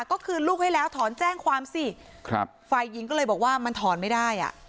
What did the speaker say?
ก็คืนลูกให้แล้วถอนแจ้งความสิครับฝ่ายหญิงก็เลยบอกว่ามันถอนไม่ได้อ่ะ